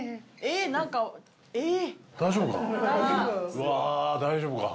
うわあ大丈夫か？